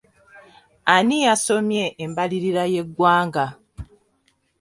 Ani yasomye embalirira y'eggwanga?